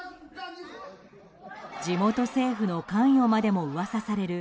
地元政府の関与までも噂される